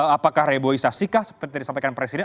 apakah reboisasi kah seperti yang disampaikan presiden